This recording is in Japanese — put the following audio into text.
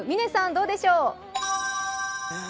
どうでしょう。